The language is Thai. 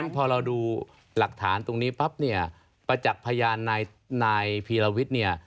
พอเราดูหลักฐานตรงนี้ปั๊บเนี่ยประจักษ์พยานนายพีรวิทย์เนี่ย